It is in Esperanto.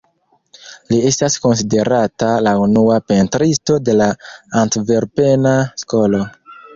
Li estas konsiderata la unua pentristo de la Antverpena Skolo.